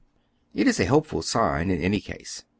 It is a hopeful sign in any case.